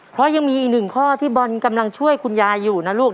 เพราะยังมีอีกหนึ่งข้อที่บอลกำลังช่วยคุณยายอยู่นะลูก